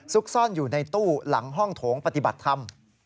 ซ่อนอยู่ในตู้หลังห้องโถงปฏิบัติธรรม